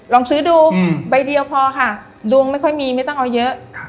ลองซื้อดูใบเดียวพอค่ะดวงไม่ค่อยมีไม่ต้องเอาเยอะ